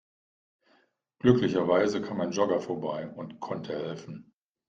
Glücklicherweise kam ein Jogger vorbei und konnte helfen.